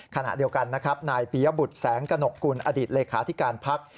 ขณะเดียวกันนะครับนายปียบุตรแสงกระหนกกุลอดีตเลขาธิการพัก